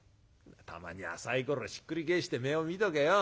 「たまにはさいころひっくり返して目を見とけよ。